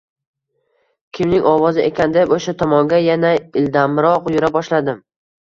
Kimning ovozi ekan, deb o`sha tomonga yana ildamroq yura boshladim